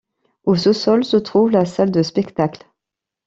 Au sous-sol se trouve la salle de spectacle.